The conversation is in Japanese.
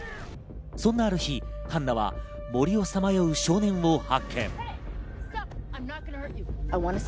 そんなある日、ハンナは森をさまよう少年を発見。